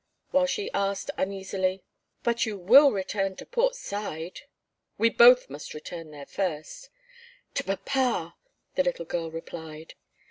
While she asked uneasily: "But you will return to Port Said?" "We both must return there first." "To papa!" the little girl replied.